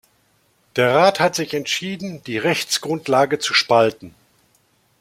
Der Rat hat sich entschieden, die Rechtsgrundlage zu spalten.